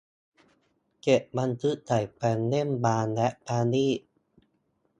เก็บบันทึกใส่แฟ้มเล่มบางและประณีต